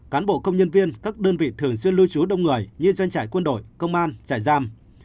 cán bộ công nhân viên các đơn vị thường xuyên lưu trú đông người như doanh trại quân đội công an trại giam